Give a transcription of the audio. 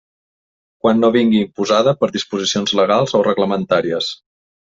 Quan no vingui imposada per disposicions legals o reglamentàries.